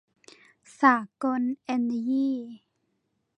สากล เอนเนอยี